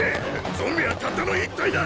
ゾンビはたったの１体だ！